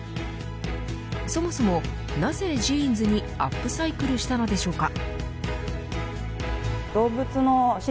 そもそも、なぜジーンズにアップサイクルしたのでしょうか。